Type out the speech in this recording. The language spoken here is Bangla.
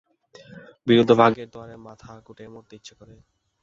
বিরুদ্ধ ভাগ্যের দুয়ারে মাথা কুটে মরতে ইচ্ছে করে।